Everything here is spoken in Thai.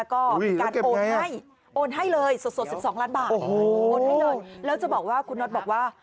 ก็มีการโอนให้โอนให้เลยสด๑๒ล้านบาทโอนให้เลยแล้วจะบอกว่าคุณน็อตบอกว่า